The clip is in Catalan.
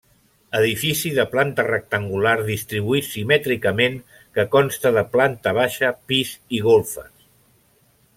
Edifici de planta rectangular distribuït simètricament que consta de planta baixa, pis i golfes.